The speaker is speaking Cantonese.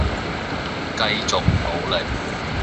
繼續努力